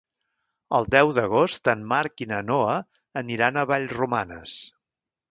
El deu d'agost en Marc i na Noa aniran a Vallromanes.